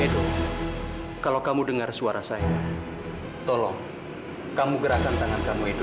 itu kalau kamu dengar suara saya tolong kamu gerakan tangan kamu itu